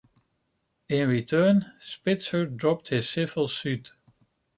In return, Spitzer dropped his civil suit.